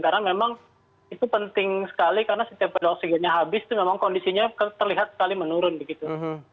karena memang itu penting sekali karena setiap oksigennya habis itu memang kondisinya terlihat sekali menurun begitu